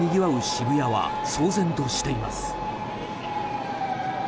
渋谷は騒然としています。